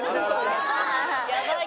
やばい。